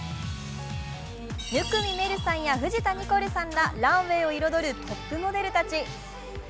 生見愛瑠さんや藤田ニコルさんらランウェイを彩るトップモデルたち。